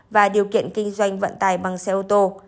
và điều kiện kinh doanh vận tải bằng xe ô tô